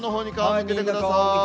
向けてください。